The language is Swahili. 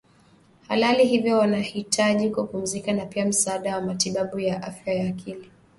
halali hivyo wanahitaji kupumzika na pia msaada wa matibabu ya afya ya akili